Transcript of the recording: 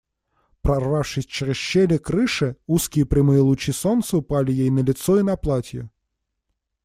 Прорвавшись через щели крыши, узкие прямые лучи солнца упали ей на лицо и платье.